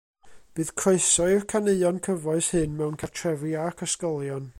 Bydd croeso i'r caneuon cyfoes hyn mewn cartrefi ac ysgolion.